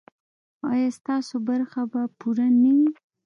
ایا ستاسو برخه به پوره نه وي؟